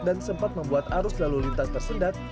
dan sempat membuat arus lalu lintas tersendat